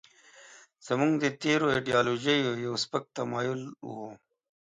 زموږ د تېرو ایډیالوژیو یو سپک تمایل و.